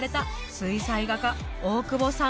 水彩画家大久保さん